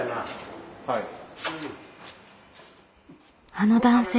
あの男性